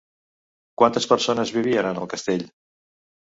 Quantes persones vivien en el castell?